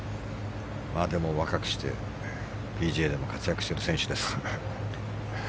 でも、若くしてＰＧＡでも活躍している選手です。